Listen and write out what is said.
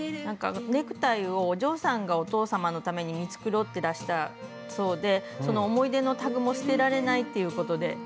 ネクタイをお嬢さんがお父様のために見繕ってらしたそうでその思い出のタグも捨てられないっていうことで。